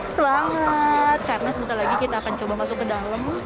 semangat karena sebentar lagi kita akan coba masuk ke dalam